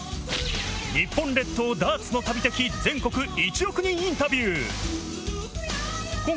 日本列島ダーツの旅的全国１億人インタビュー。